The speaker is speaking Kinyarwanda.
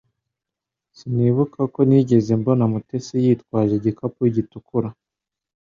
Sinibuka ko nigeze mbona Mutesi yitwaje igikapu gitukura